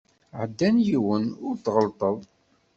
Ɛeddan yiwen, ur t-tɣellteḍ.